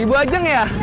ibu ajeng ya